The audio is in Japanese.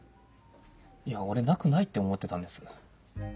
いや俺なくないって思ってたんです。